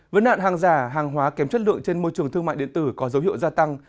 vấn nạn hàng giả hàng hóa kém chất lượng trên môi trường thương mại điện tử có dấu hiệu gia tăng